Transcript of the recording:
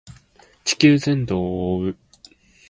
地球全土を覆う